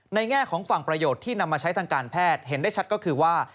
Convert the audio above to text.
แง่ของฝั่งประโยชน์ที่นำมาใช้ทางการแพทย์เห็นได้ชัดก็คือว่า